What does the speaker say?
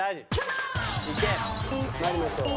まいりましょう。